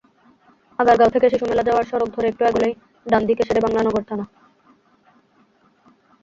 আগারগাঁও থেকে শিশুমেলা যাওয়ার সড়ক ধরে একটু এগোলেই ডান দিকে শেরেবাংলা নগর থানা।